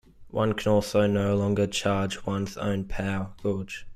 One can also no longer charge one's own "pow" gauge.